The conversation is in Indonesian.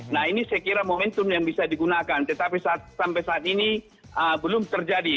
nah ini saya kira momentum yang bisa digunakan tetapi sampai saat ini belum terjadi